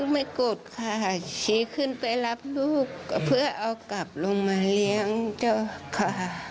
ไม่กดค่ะขี่ขึ้นไปรับลูกก็เพื่อเอากลับลงมาเลี้ยงเจ้าค่ะ